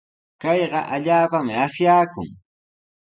Kayqa allaapami asyaakun.